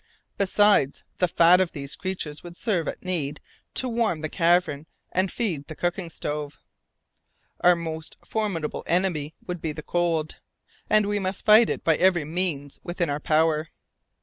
Besides, the fat of these creatures would serve, at need, to warm the cavern and feed the cooking stove. Our most formidable enemy would be the cold, and we must fight it by every means within our power.